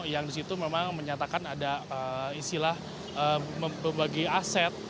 yang disitu memang menyatakan ada istilah membagi aset